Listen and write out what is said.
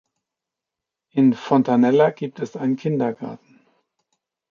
In Fontanella gibt es einen Kindergarten.